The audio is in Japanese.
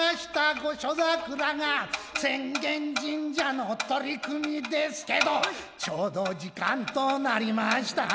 御所桜が浅間神社の取り組みですけど丁度時間となりました